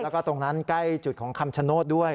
แล้วก็ตรงนั้นใกล้จุดของคำชโนธด้วย